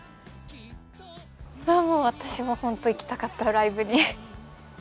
あもう私もほんと行きたかったライブに。